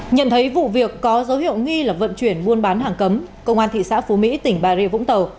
nhận thấy vụ việc có dấu hiệu nghi là vận chuyển buôn bán hàng cấm công an thị xã phú mỹ tỉnh bà rịa vũng tàu